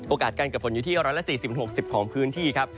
การเกิดฝนอยู่ที่๑๔๐๖๐ของพื้นที่ครับ